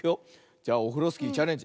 じゃオフロスキーチャレンジ。